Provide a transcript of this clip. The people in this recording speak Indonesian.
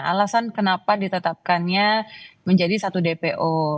alasan kenapa ditetapkannya menjadi satu dpo